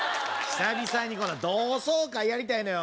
久々に同窓会やりたいのよ